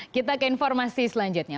kita ke informasi selanjutnya